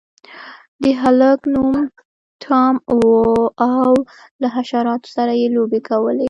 د هلک نوم ټام و او له حشراتو سره یې لوبې کولې.